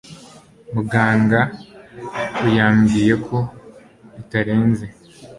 muganga uyambwiye ko bitarenze